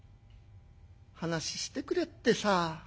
話ししてくれってさ。